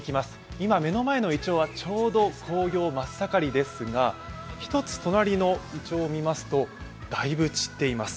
今、目の前のいちょうはちょうど紅葉真っ盛りですが一つ隣のいちょうを見ますと、だいぶ散っています。